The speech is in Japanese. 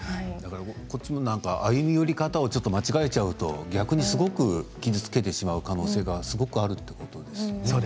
こっちも歩み寄り方を間違えちゃうと逆にすごく傷つけてしまう可能性があるということですよね。